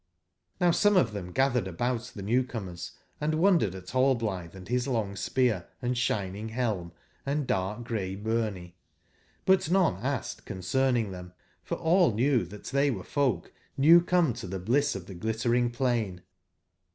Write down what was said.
J^ow some of tbem gatbered about tbe new/comers, and wondered at Rallblitbe and bis long spear and sbining belm and dark gray byrny; but none asked concerning tbem, for all knew tbat tbey were folk newcometotbe bliss oftbeClitteringpiain.